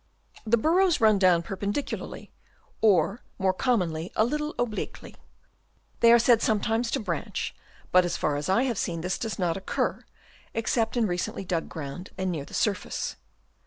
The burrows run down perpendicularly, or more commonly a little obliquely. They are said sometimes to branch, but as far as I have seen this does not occur, except in recently dug ground and near the surface.